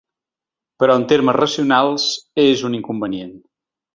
Però en termes racionals és un inconvenient.